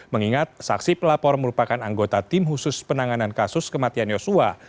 mengingat saksi pelapor merupakan anggota tim khusus penanganan kasus kematian yosua